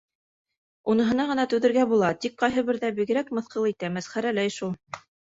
Уныһына ғына түҙергә була, тик ҡайһы берҙә бигерәк мыҫҡыл итә, мәсхәрәләй шул.